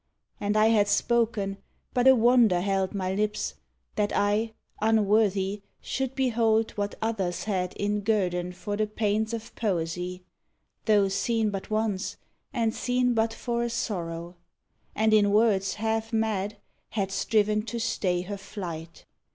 And I had spoken, but a wonder held My lips, that I, unworthy, should behold What others had in guerdon for the pains Of Poesy, (tho 7 seen but once, and seen But for a sorrow) ; and in words half mad Had striven to stay her flight.